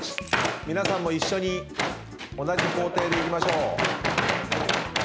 皆さんも一緒に同じ工程でいきましょう。